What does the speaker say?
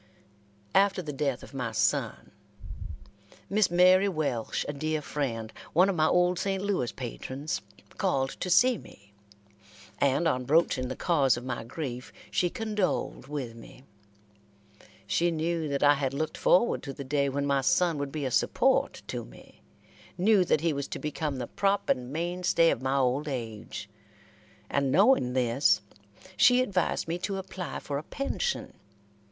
After the death of my son, Miss Mary Welsh, a dear friend, one of my old St. Louis patrons, called to see me, and on broaching the cause of my grief, she condoled with me. She knew that I had looked forward to the day when my son would be a support to me knew that he was to become the prop and main stay of my old age, and knowing this, she advised me to apply for a pension.